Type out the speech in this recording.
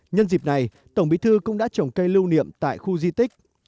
nhân dịp này tổng bí thư cũng đã trồng cây lưu niệm tại khu di tích